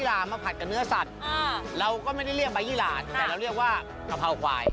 เหมือนเนื้อสัตว์เราก็ไม่ได้เรียกใบ่ยี่หลาแต่เราเรียกว่ากะเพราไขว